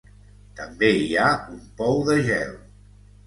També hi ha un Pou de gel.